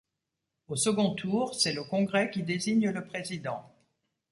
Au second tour, c'est le congrès qui désigne le président.